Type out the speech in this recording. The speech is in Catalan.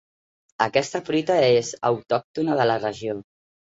Aquesta fruita és autòctona de la regió.